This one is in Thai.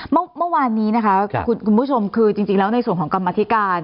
เมื่อวานนี้นะคะคุณผู้ชมคือจริงแล้วในส่วนของกรรมธิการ